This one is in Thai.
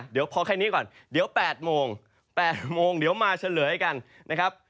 เดี๋ยวแปดโมงแปดโมงเดี๋ยวมาเฉลยให้กันนะครับ